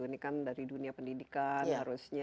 ini kan dari dunia pendidikan harusnya